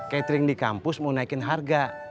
catering di kampus mau naikin harga